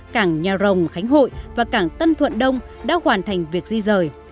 cảng nhà rồng khánh hội và cảng tân thuận đông đã hoàn thành việc di rời